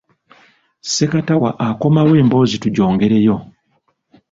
Ssekatawa akomawo emboozi tugyongereyo.